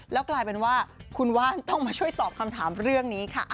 แล้วกลายเป็นว่าคุณว่านต้องมาช่วยตอบคำถามเรื่องนี้ค่ะ